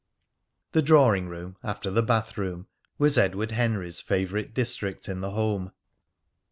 The drawing room, after the bathroom, was Edward Henry's favourite district in the home.